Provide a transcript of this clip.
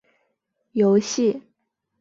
游戏